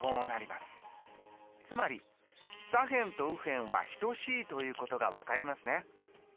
つまり左辺と右辺は等しいということが分かりますね。